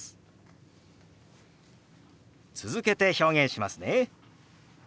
続けて表現しますね。